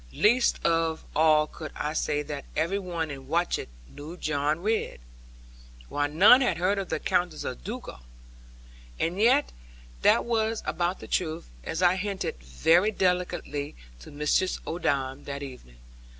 Least of all could I say that every one in Watchett knew John Ridd; while none had heard of the Countess of Dugal. And yet that was about the truth, as I hinted very delicately to Mistress Odam that evening.